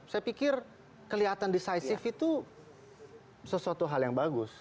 saya pikir kelihatan decisive itu sesuatu hal yang bagus